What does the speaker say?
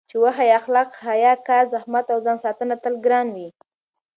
چې وښيي اخلاق، حیا، کار، زحمت او ځانساتنه تل ګران وي.